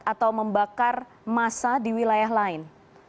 atau membakar massa di wilayah lain